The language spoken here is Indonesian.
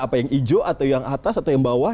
apa yang hijau atau yang atas atau yang bawah